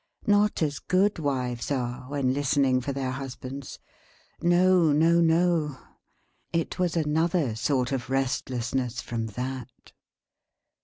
Not as good wives are, when listening for their husbands. No, no, no. It was another sort of restlessness from that.